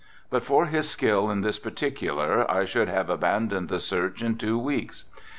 But for his skill in this particular I should have abandoned the search in two weeks.